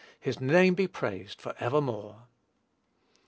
His name be praised for evermore!